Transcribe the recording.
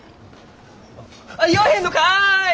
言わへんのかい！